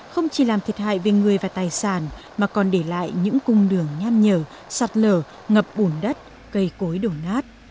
không chỉ làm thiệt hại về người và tài sản mà còn để lại những cung đường nhan nhở sạt lở ngập buồn đất cây cối đổ nát